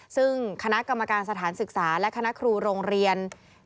ซึ่งคณะกรรมการสถานศึกษาและคณะครูโรงเรียน